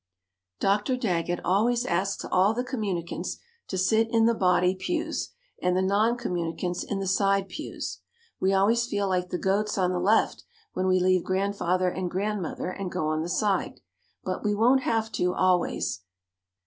Dr. Daggett always asks all the communicants to sit in the body pews and the noncommunicants in the side pews. We always feel like the goats on the left when we leave Grandfather and Grandmother and go on the side, but we won't have to always.